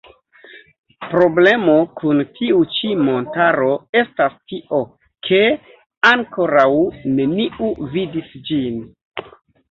Problemo kun tiu ĉi montaro estas tio, ke ankoraŭ neniu vidis ĝin.